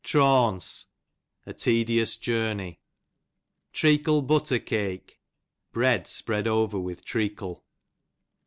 Traunce, a tedious jounwy . Treacle Butter Cake, h ead spread over with treacle.